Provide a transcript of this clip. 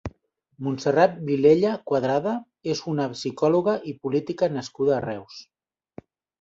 Montserrat Vilella Cuadrada és una psicòloga i política nascuda a Reus.